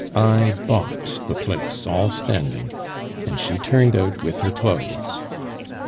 I bought the place all standing, and she turned out with her clothes.